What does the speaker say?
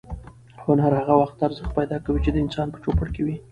هنر هغه وخت ارزښت پیدا کوي چې د انسانیت په چوپړ کې وي.